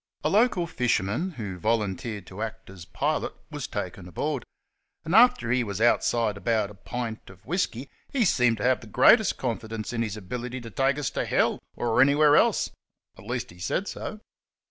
A local fisherman, who volunteered to act as pilot, was taken aboard, and after he was outside about a pint of whisky he seemed to have the greatest confidence in his ability to take us to hell, or any where else at least, he said so.